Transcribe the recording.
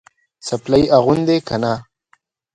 څپلۍ اغوندې که نه؟